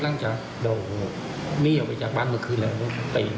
เราสามารถเมื่อกี้ไปหาแมงออกมาบินทหารกลางที่ไหน